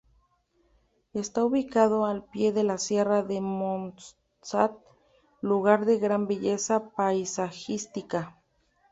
Está ubicada al pie de la Sierra de Montsant, lugar de gran belleza paisajística.